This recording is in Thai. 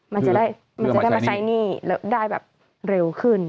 มันจะได้มาใช้หนี้ได้แบบเร็วขึ้น